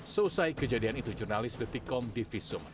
selesai kejadian itu jurnalisdetik com divisum